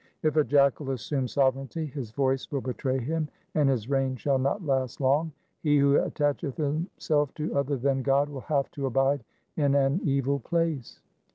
If a jackal assume sovereignty, his voice will betray him, and his reign shall not last long. He who attacheth himself to other than God will have to abide in an evil place.